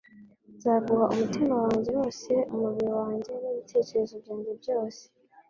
Nzaguha umutima wanjye wose, umubiri wanjye, n’ibitekerezo byanjye byose